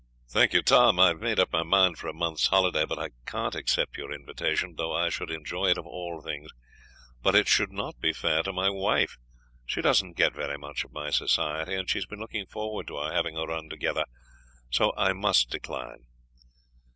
"Thank you, Tom; I have made up my mind for a month's holiday, but I can't accept your invitation, though I should enjoy it of all things. But it would not be fair to my wife; she doesn't get very much of my society, and she has been looking forward to our having a run together. So I must decline."